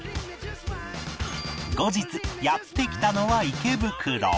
後日やって来たのは池袋